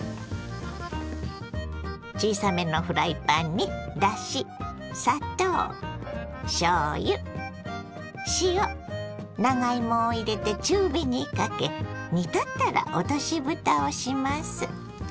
小さめのフライパンにだし砂糖しょうゆ塩長芋を入れて中火にかけ煮立ったら落としぶたをします。